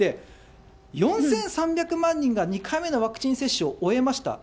４３００万人が２回目のワクチン接種を終えました。